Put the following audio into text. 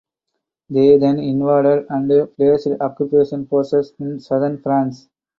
They then invaded and placed occupation forces in southern France.